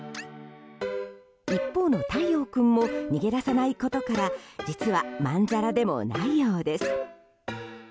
一方の太陽君も逃げ出さないことから実はまんざらでもないようです。